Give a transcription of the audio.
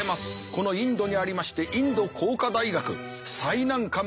このインドにありましてインド工科大学最難関見えてまいりました。